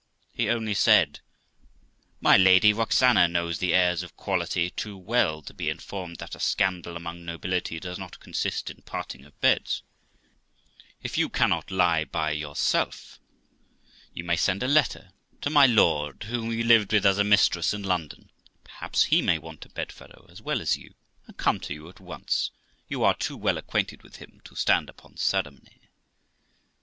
He THE LIFE OF ROXANA 413 only said, 'My Lady Roxana knows the airs of quality too well to be informed that a scandal among nobility does not consist in parting of beds ; if you cannot lie by yourself, you may send a letter to my Lord , whom you lived with as a mistress in London; perhaps he may want a bedfellow as well as you, and come to you at once; you are too well acquainted with him to stand upon ceremony.'